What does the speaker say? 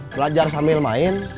belajar sambil main